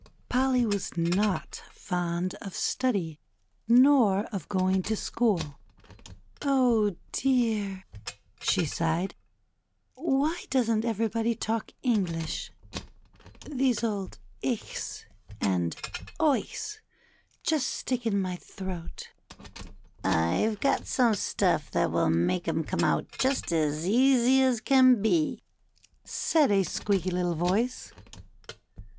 Polly was not fond of study nor of going to school. Oh, dear," she sighed, ^^why doesn't everybody talk English ! These old Ichs and Eiiclis just stick in my throat !'' I've got some stuff that will make 'em come out just as easy as can be," said a little squeaky voice.